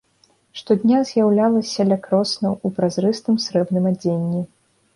Штодня з'яўлялася ля кроснаў у празрыстым срэбным адзенні.